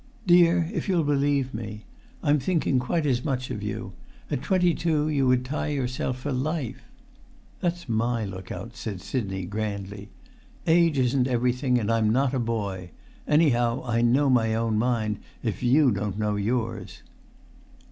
"Dear, if you'll believe me, I'm thinking quite as much of you. At twenty two you would tie yourself for life!" "That's my look out," said Sidney, grandly. "Age isn't everything, and I'm not a boy; anyhow I know my own mind, if you don't know yours."